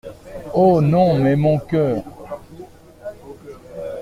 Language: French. Oh ! non, mais mon cœur !…